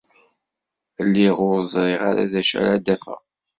Lliɣ ur ẓriɣ ara d acu ara d-afeɣ.